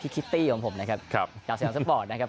พี่กิตตี้ของผมนะครับ